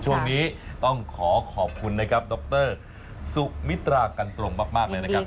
ช่วงนี้ต้องขอขอบคุณนะครับดรสุมิตรากันตรงมากเลยนะครับ